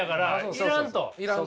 要らんと。